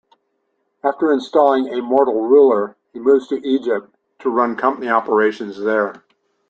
After installing a mortal ruler, he moves to Egypt, to run Company operations there.